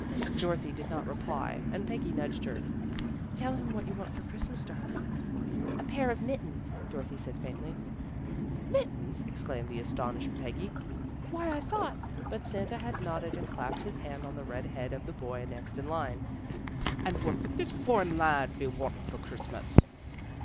Dorothy did not reply and Peggy nudged her. ' Tell him what you want for Christmas, darling." " A pair of mittens," Dorothy said faintly. " Mittens! " exclaimed the astonished Peggy. " Why, I thought " But Santa had nodded, and clapped his hand on the red head of the boy next in line. " And what would this foine lad be wantin' for Christmas?